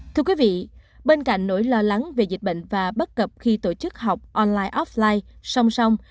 thưa quý vị bên cạnh nỗi lo lắng về dịch bệnh và bất cập khi tổ chức học online offline song song